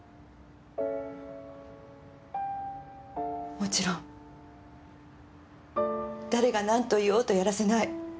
もちろん誰が何と言おうとやらせない。